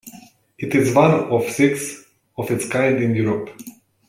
It is one of six of its kind in Europe.